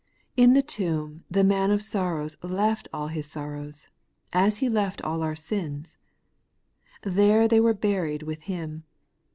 In the tomb the Man of sorrows left all His sorrows, as He left aU our sins. There they were buried with Him.